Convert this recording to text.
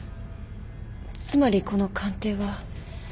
つまりこの鑑定は。